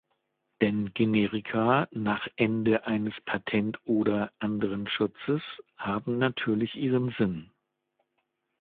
Denn Generika nach Ende eines Patentoder anderen Schutzes haben natürlich ihren Sinn.